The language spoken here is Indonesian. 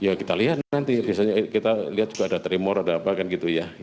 ya kita lihat nanti biasanya kita lihat juga ada tremor ada apa kan gitu ya